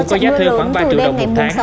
có giá thưa khoảng ba triệu đồng một tháng